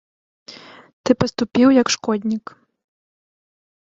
Ты паступіў, як шкоднік.